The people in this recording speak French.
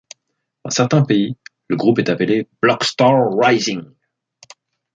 Dans certains pays le groupe est appelé Blackstar Rising.